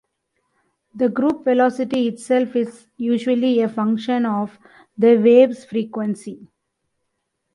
The group velocity itself is usually a function of the wave's frequency.